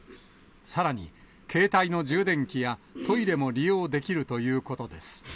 さらに、携帯の充電器やトイレも利用できるということです。